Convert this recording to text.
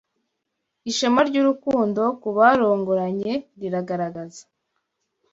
ishema ry’urukundo kubarongoranye ririgaragaza